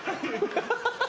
ハハハ。